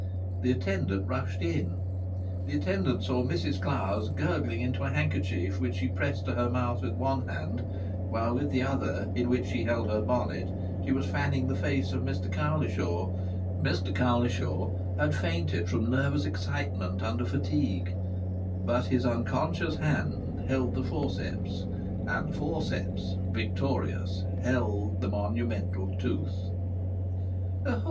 The attendant rushed in. The attendant saw Mrs Clowes gurgling into a handkerchief, which she pressed to her mouth with one hand, while with the other, in which she held her bonnet, she was fanning the face of Mr Cowlishaw. Mr Cowlishaw had fainted from nervous excitement under fatigue. But his unconscious hand held the forceps; and the forceps, victorious, held the monumental tooth.